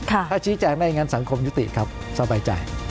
ถ้าชี้แจงได้อย่างนั้นสังคมยุติครับสบายใจ